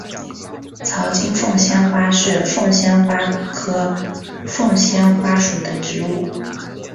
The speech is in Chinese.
槽茎凤仙花是凤仙花科凤仙花属的植物。